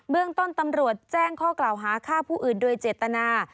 เรื่องต้นตำรวจแจ้งข้อกล่าวหาฆ่าผู้อื่นโดยเจตนา